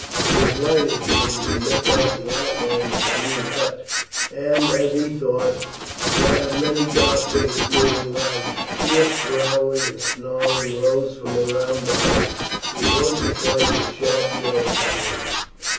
It was lighter here, and he could make out the outline of the rude hut, and, as he thought, that of many dark figures moving round it. A fierce growling and snarling rose from around the hut, with once or twice a sharp yell of pain.